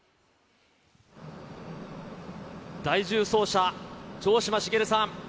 第１０走者、城島茂さん。